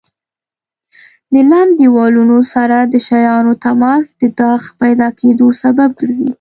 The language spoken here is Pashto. د لمد دېوالونو سره د شیانو تماس د داغ پیدا کېدو سبب ګرځي.